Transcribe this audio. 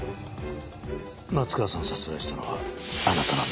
松川さんを殺害したのはあなたなんですか？